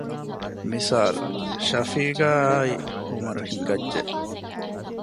މިސާލު ޝަފީޤާއާއި އަދި ޢުމަރު ހިނގައްޖެ